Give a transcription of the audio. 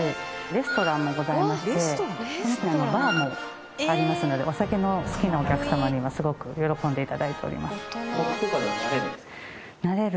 レストランもございましてその奥にバーもありますのでお酒の好きなお客様にはすごく喜んで頂いております。